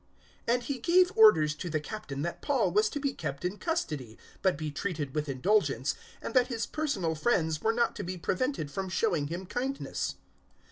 024:023 And he gave orders to the Captain that Paul was to be kept in custody, but be treated with indulgence, and that his personal friends were not to be prevented from showing him kindness.